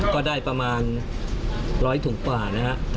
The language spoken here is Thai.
ก็ได้ประมาณ๑๐๐ถุงกว่านะครับ